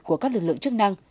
của các lực lượng chức năng